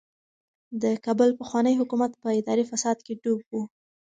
د کابل پخوانی حکومت په اداري فساد کې ډوب و.